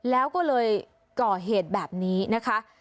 แล้วก็เลยก่อเหตุแบบนี้นะคะ